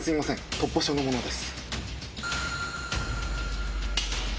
突破署の者です。